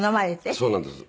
そうなんです。